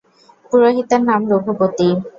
পুরোহিতের নাম রঘুপতি।